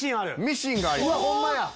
ミシンがあります。